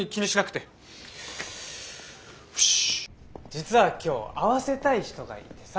実は今日会わせたい人がいてさ。